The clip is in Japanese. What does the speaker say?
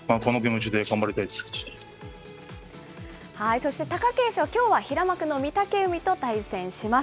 そして、貴景勝、きょうは平幕の御嶽海と対戦します。